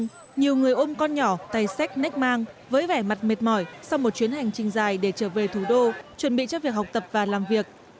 trong khi nhiều người ôm con nhỏ tay sách nách mang với vẻ mặt mệt mỏi sau một chuyến hành trình dài để trở về thủ đô chuẩn bị cho việc học tập và làm việc